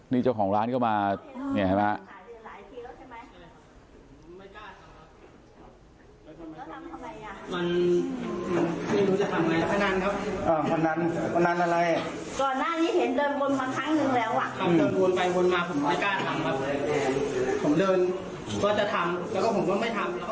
นี่เจ้าของร้านเข้ามาอย่างนี้เห็นไหม